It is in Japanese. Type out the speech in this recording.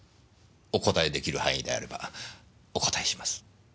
お答えできる範囲であればお答えします。